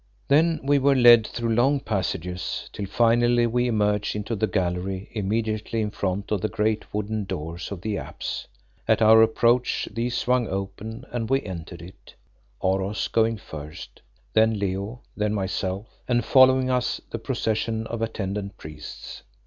Then we were led through long passages, till finally we emerged into the gallery immediately in front of the great wooden doors of the apse. At our approach these swung open and we entered it, Oros going first, then Leo, then myself, and following us, the procession of attendant priests.